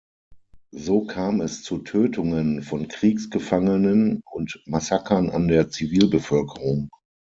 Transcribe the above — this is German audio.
So kam es zu Tötungen von Kriegsgefangenen und Massakern an der Zivilbevölkerung.